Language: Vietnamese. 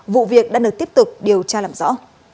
vụ việc đã được tiếp tục điều tra làm rõ